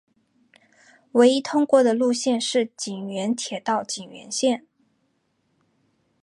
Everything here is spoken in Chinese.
唯一通过的路线是井原铁道井原线。